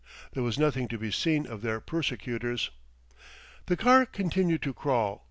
There was nothing to be seen of their persecutors. The car continued to crawl.